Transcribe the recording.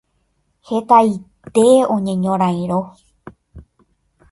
Hetaite oñeñorãirõ.